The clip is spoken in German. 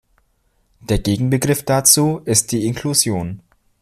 Der Gegenbegriff dazu ist die Inklusion.